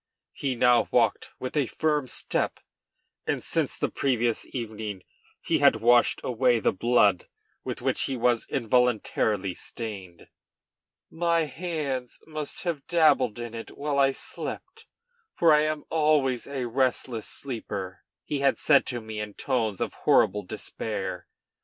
He now walked with a firm step, and since the previous evening he had washed away the blood with which he was, involuntarily, stained. "My hands must have dabbled in it while I slept, for I am always a restless sleeper," he had said to me in tones of horrible despair.